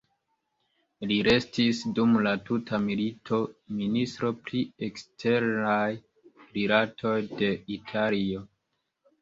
Li restis dum la tuta milito ministro pri eksteraj rilatoj de Italio.